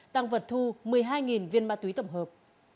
tăng vật thu một mươi hai viên ma túy tổng hợp